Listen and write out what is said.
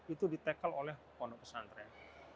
itu di tackle oleh pondok pesantren